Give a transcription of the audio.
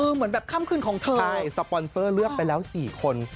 เหมือนแบบค่ำคืนของเธอใช่สปอนเซอร์เลือกไปแล้ว๔คน